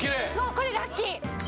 これラッキー